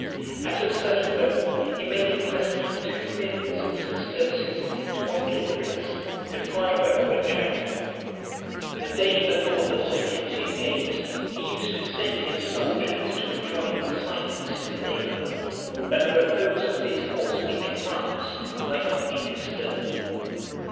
At a certain revel, he made a present of two millions of sesterces to one Cythicus, a driver of a chariot. The day before the Circensian games, he used to send his soldiers to enjoin silence in the (289) neighbourhood, that the repose of his horse Incitatus might not be disturbed.